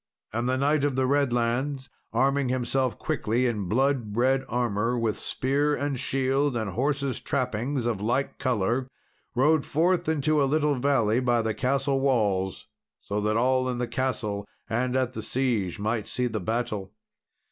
And the Knight of the Redlands, arming himself quickly in blood red armour, with spear, and shield, and horse's trappings of like colour, rode forth into a little valley by the castle walls, so that all in the castle, and at the siege, might see the battle.